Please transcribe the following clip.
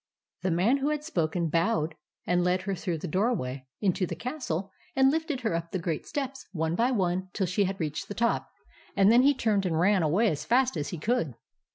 The man who had spoken bowed and led her through the doorway into the castle, and lifted her up the great steps, one by one, till she had reached the top ; and then he turned and ran away as fast as he could.